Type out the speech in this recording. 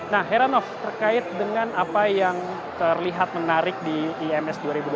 nah heranov terkait dengan apa yang terlihat menarik di ims dua ribu dua puluh